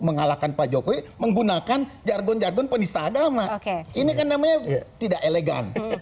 mengalahkan pak jokowi menggunakan jargon jargon penista agama oke ini kan namanya tidak elegan